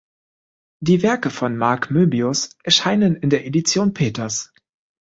Die Werke von Mark Moebius erscheinen in der Edition Peters.